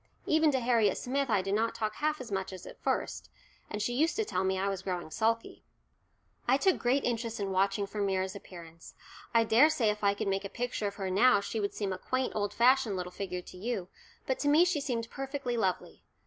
Even to Harriet Smith I did not talk half as much as at first, and she used to tell me I was growing sulky. I took great interest in watching for Myra's appearance. I daresay if I could make a picture of her now she would seem a quaint old fashioned little figure to you, but to me she seemed perfectly lovely.